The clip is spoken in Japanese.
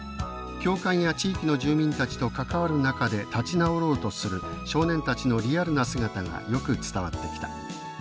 教官や地域の住民たちと関わる中で立ち直ろうとする少年たちのリアルな姿がよく伝わってきた」